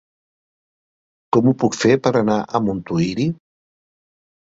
Com ho puc fer per anar a Montuïri?